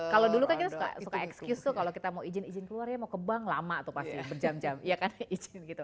kalau dulu kan kita suka excuse tuh kalau kita mau izin izin keluar ya mau ke bank lama tuh pasti berjam jam ya kan izin gitu